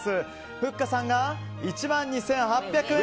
ふっかさんが１万２８００円。